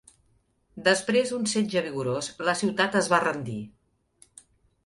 Després d'un setge vigorós la ciutat es va rendir.